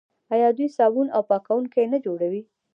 آیا دوی صابون او پاکوونکي نه جوړوي؟